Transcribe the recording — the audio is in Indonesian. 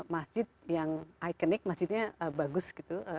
masjid yang ikonik masjidnya bagus gitu